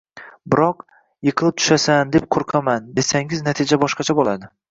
Biroq: “Yiqilib tushasan, deb qo‘rqaman!”, desangiz, natija boshqacha bo‘ladi.